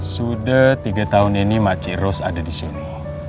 sudah tiga tahun ini makci ros ada di sini